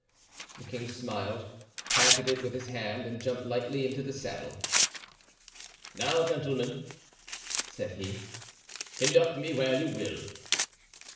The king smiled, patted it with his hand and jumped lightly into the saddle. "Now, gentlemen," said he, "conduct me where you will."